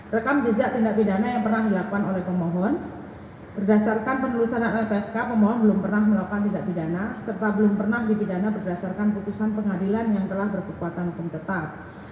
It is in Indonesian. rekam jejak tindak pidana yang pernah dilakukan oleh pemohon berdasarkan penelusuan lpsk pemohon belum pernah melakukan tindak pidana serta belum pernah dipidana berdasarkan putusan pengadilan yang telah berkekuatan hukum tetap